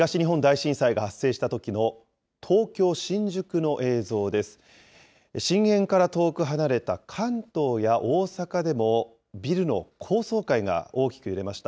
震源から遠く離れた関東や大阪でも、ビルの高層階が大きく揺れました。